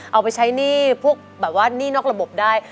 เอาไปใช้หนี้พวกแบบว่าหนี้นอกระบบได้